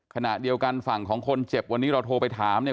ขณะเดียวกันฝั่งของคนเจ็บวันนี้เราโทรไปถามเนี่ย